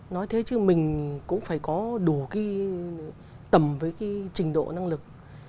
nói thế chứ mình cũng phải có đủ cái tầm với cái trình độ năng lực